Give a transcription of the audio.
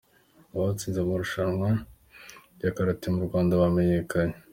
Abatsinze amarushanwa ya karate murwanda bamenyekanye